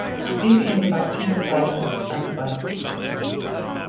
It is a bactericidal antibiotic.